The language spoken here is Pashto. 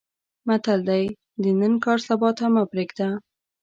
متل دی: د نن کار سبا ته مې پرېږده.